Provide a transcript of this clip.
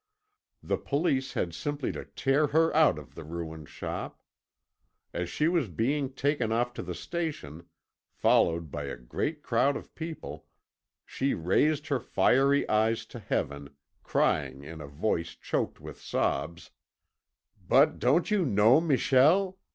The police had simply to tear her out of the ruined shop. As she was being taken off to the station, followed by a great crowd of people, she raised her fiery eyes to Heaven, crying in a voice choked with sobs: "But don't you know Michel?